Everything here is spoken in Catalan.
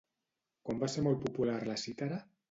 Quan va ser molt popular la cítara?